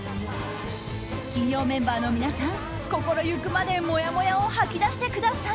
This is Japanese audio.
金曜メンバーの皆さん心ゆくまでもやもやを吐き出してください！